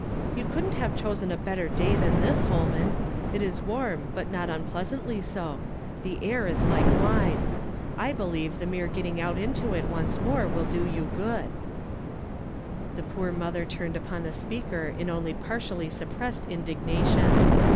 —" You coulchi't have chosen "a better day "tlmn this, Holman. It is warm, but not unpleasantly so; the air is like wine. I believe tlie mere get ting out into it once more will do you good." "" 20 YESTERDAY FllAMED IN TO t)AY. The poor motlier turned upon the speaker in only iKirtiiilly suppressed indignation.